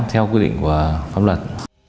theo quy định của pháp luật